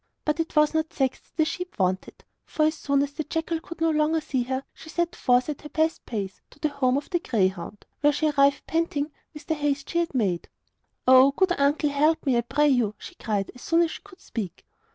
But it was not sacks that the sheep wanted; for as soon as the jackal could no longer see her she set forth at her best pace to the home of the greyhound, where she arrived panting with the haste she had made. 'Oh, good uncle, help me, I pray you!' she cried, as soon as she could speak.